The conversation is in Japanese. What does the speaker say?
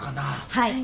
はい。